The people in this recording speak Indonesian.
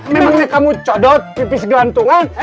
memangnya kamu codot pipis gelantungan